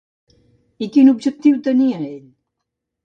I quin objectiu tenia ell?